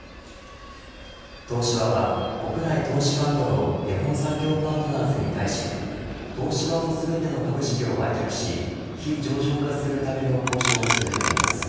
東芝は国内投資ファンドの日本産業パートナーズに対し東芝の全ての株式を売却し非上場化するための交渉を続けています。